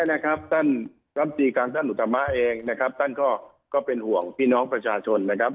ท่านรับตีการท่านอุตมะเองนะครับท่านก็เป็นห่วงพี่น้องประชาชนนะครับ